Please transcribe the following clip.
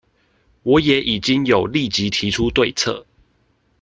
我也已經有立即提出對策